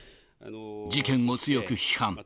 事件を強く批判。